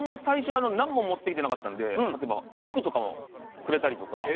最初なんも持ってきてなかったんで例えば服とかもくれたりとか。